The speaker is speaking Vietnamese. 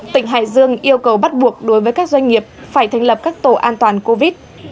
tỉnh hải dương yêu cầu bắt buộc đối với các doanh nghiệp phải thành lập các tổ an toàn covid